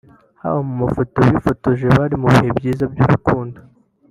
haba mu mafoto bifotozaga bari mu bihe byiza mu rukundo